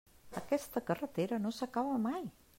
Aquesta carretera no s'acaba mai.